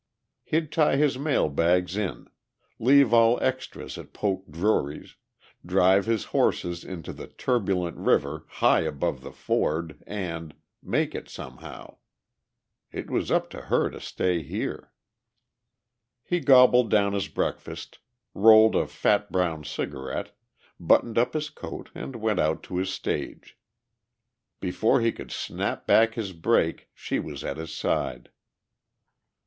He'd tie his mail bags in; leave all extras at Poke Drury's, drive his horses into the turbulent river high above the ford and ... make it somehow. It was up to her to stay here. He gobbled down his breakfast, rolled a fat brown cigarette, buttoned up his coat and went out to his stage. Before he could snap back his brake she was at his side.